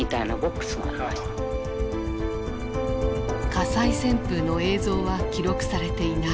火災旋風の映像は記録されていない。